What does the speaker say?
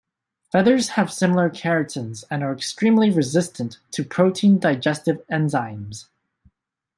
Feathers have similar keratins and are extremely resistant to protein digestive enzymes.